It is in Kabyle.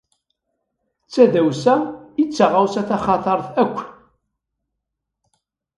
D tadawsa i d taɣawsa taxatart akk.